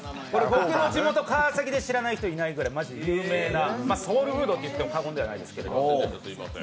僕の地元・川崎で知らない人がいないぐらいマジで有名な、ソウルフードと言っても過言ではないです。